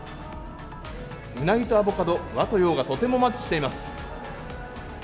ウナギとアボカド、和と洋がとてもマッチしています。